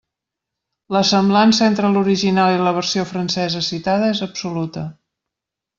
La semblança entre l'original i la versió francesa citada és absoluta.